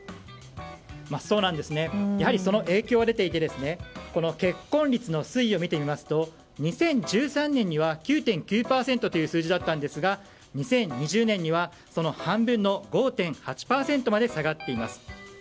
やはり、その影響は出ていて結婚率の推移を見てみますと２０１３年には９．９％という数字だったんですが２０２０年にはその半分の５．８％まで下がっています。